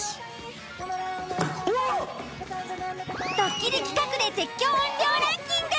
ドッキリ企画で絶叫音量ランキング。